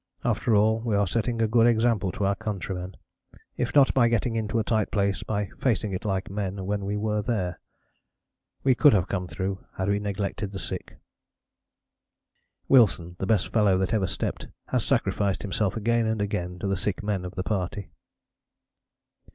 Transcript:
After all we are setting a good example to our countrymen, if not by getting into a tight place, by facing it like men when we were there. We could have come through had we neglected the sick." "Wilson, the best fellow that ever stepped, has sacrificed himself again and again to the sick men of the party...."